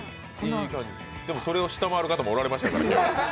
でも、それを下回る方もおられましたから。